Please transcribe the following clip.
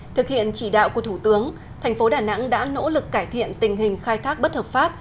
thực hiện chỉ đạo của thủ tướng thành phố đà nẵng đã nỗ lực cải thiện tình hình khai thác bất hợp pháp